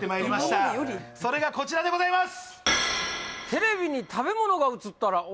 今までよりそれがこちらでございます